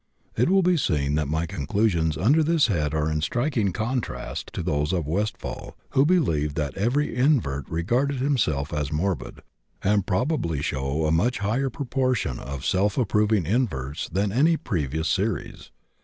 It will be seen that my conclusions under this head are in striking contrast to those of Westphal, who believed that every invert regarded himself as morbid, and probably show a much higher proportion of self approving inverts than any previous series.